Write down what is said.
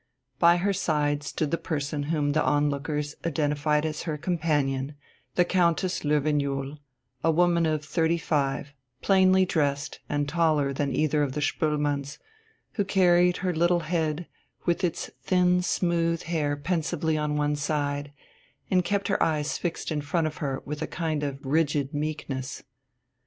By her side stood the person whom the onlookers identified as her companion, the Countess Löwenjoul, a woman of thirty five, plainly dressed and taller than either of the Spoelmanns, who carried her little head with its thin smooth hair pensively on one side, and kept her eyes fixed in front of her with a kind of rigid meekness.